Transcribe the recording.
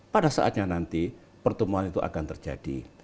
pada saatnya nanti pertemuan itu akan terjadi